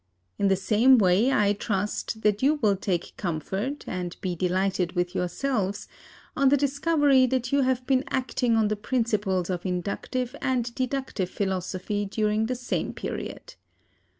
In the same way, I trust, that you will take comfort, and be delighted with yourselves, on the discovery that you have been acting on the principles of inductive and deductive philosophy during the same period.